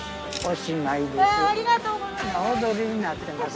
ありがとうございます。